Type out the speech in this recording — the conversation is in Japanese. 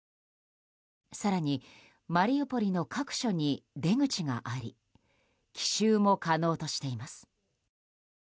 更に、マリウポリの各所に出口があり奇襲も可能としています。